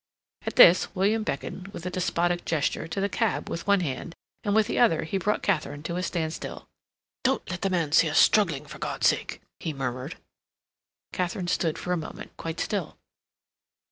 At this William beckoned, with a despotic gesture, to the cab with one hand, and with the other he brought Katharine to a standstill. "Don't let the man see us struggling, for God's sake!" he murmured. Katharine stood for a moment quite still.